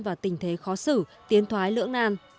vào tình thế khó xử tiến thoái lưỡng nàn